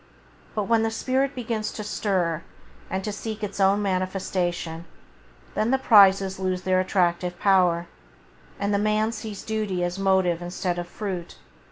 But when the spirit begins to stir and to seek its own manifestation, then the prizes lose their attractive power, and the man sees duty as motive instead of fruit.